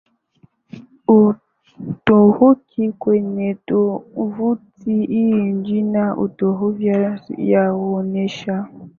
Uturuki kwenye tovuti hii Nchini Uturuki yaonesha